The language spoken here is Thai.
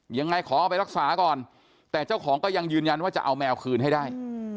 ยังไงขอเอาไปรักษาก่อนแต่เจ้าของก็ยังยืนยันว่าจะเอาแมวคืนให้ได้